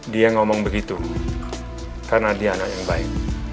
dia ngomong begitu karena dia anak yang baik